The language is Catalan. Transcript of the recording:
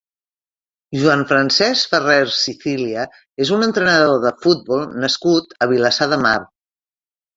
Joan Francesc Ferrer Sicilia és un entrenador de futbol nascut a Vilassar de Mar.